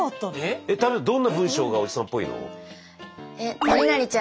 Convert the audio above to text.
どんな文章がおじさんっぽいの？